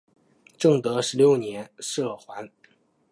正德十六年赦还。